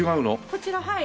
こちらはい。